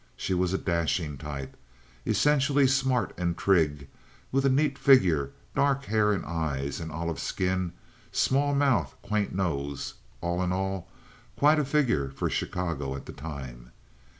She was a dashing type, essentially smart and trig, with a neat figure, dark hair and eyes, an olive skin, small mouth, quaint nose—all in all quite a figure for Chicago at the time.